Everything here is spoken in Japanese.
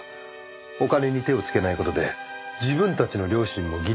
お金に手をつけない事で自分たちの良心もギリギリ保てる。